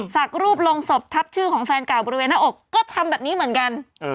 สักรูปลงศพทับชื่อของแฟนเก่าบริเวณหน้าอกก็ทำแบบนี้เหมือนกัน